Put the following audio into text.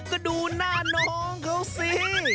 ก็ดูหน้าน้องเขาสิ